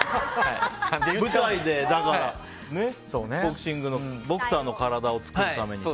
舞台でボクサーの体を作るために。